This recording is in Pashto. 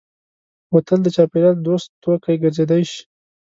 بوتل د چاپېریال دوست توکی ګرځېدای شي.